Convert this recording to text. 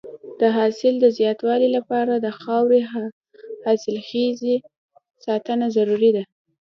د حاصل د زیاتوالي لپاره د خاورې حاصلخېزۍ ساتنه ضروري ده.